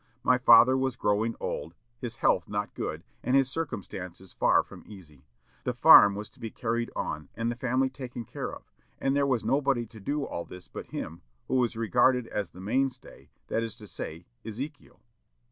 My father was growing old, his health not good, and his circumstances far from easy.... The farm was to be carried on, and the family taken care of; and there was nobody to do all this but him, who was regarded as the mainstay that is to say, Ezekiel.